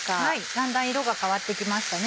だんだん色が変わってきましたね。